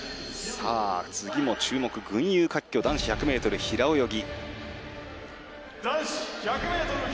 次も注目、群雄割拠男子１００ｍ平泳ぎ。